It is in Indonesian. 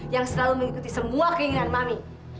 yang selalu mengikuti semua keinginan mami